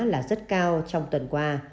là rất cao trong tuần qua